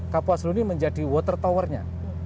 kapuas hul ini menjadi water tower nya